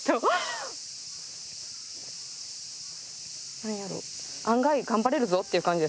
何やろ案外頑張れるぞっていう感じですかね。